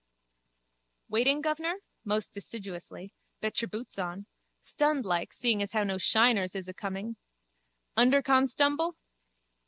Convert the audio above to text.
_ Waiting, guvnor? Most deciduously. Bet your boots on. Stunned like, seeing as how no shiners is acoming. Underconstumble?